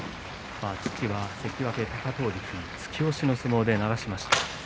父は関脇貴闘力、突き押しの相撲で鳴らしました。